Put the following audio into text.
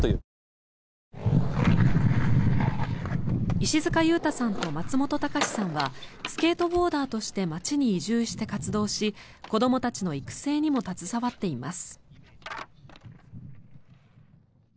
石塚佑太さんと松本崇さんはスケートボーダーとして町に移住して活動し子どもたちの育成にも携わっています。